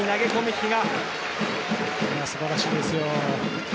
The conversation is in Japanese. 素晴らしいですよ。